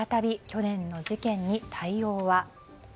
去年の事件に対応は。